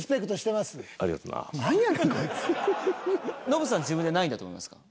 ノブさん自分で何位だと思いますか？